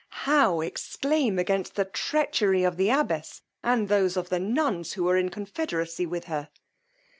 How exclaim against the treachery of the abbess, and those of the nuns who were in confederacy with her!